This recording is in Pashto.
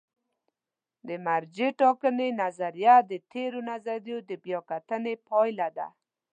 د مرجع ټاکنې نظریه د تېرو نظریو د بیا کتنې پایله ده.